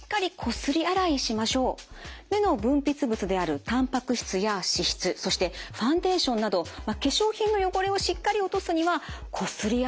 目の分泌物であるたんぱく質や脂質そしてファンデーションなど化粧品の汚れをしっかり落とすにはこすり洗いが必要なんですね。